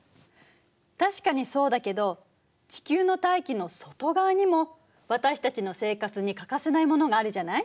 確かにそうだけど地球の大気の外側にも私たちの生活に欠かせないものがあるじゃない。